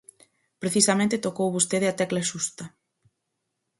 Precisamente tocou vostede a tecla xusta.